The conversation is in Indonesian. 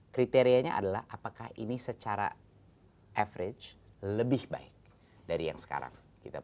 kriterianya adalah apakah ini secara average lebih baik dari yang sekarang